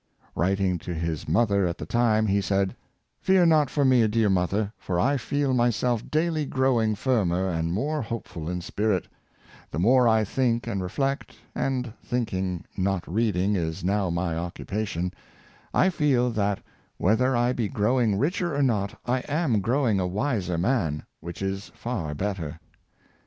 '^ Writing to his mother at the time he said, " Fear not Wisdom Learned yrom Failure. 309 for me, dear mother, for I feel myself daily growing firmer and more hopeful in spirit., The more I think and reflect — and thinking, not reading, is now my occu pation— I feel that, whether I be growing richer or not, I am growing a wiser man, which is far better.